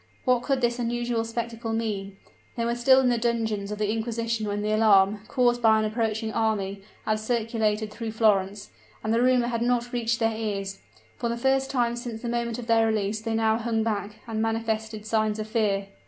What could this unusual spectacle mean? They were still in the dungeons of the inquisition when the alarm, caused by an approaching army, had circulated through Florence; and the rumor had not reached their ears. For the first time since the moment of their release they now hung back, and manifested signs of fear.